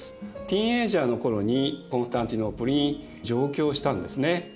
ティーンエージャーの頃にコンスタンティノープルに上京したんですね。